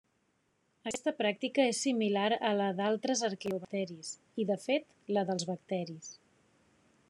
Aquesta pràctica és similar a la d'altres arqueobacteris i, de fet, la dels bacteris.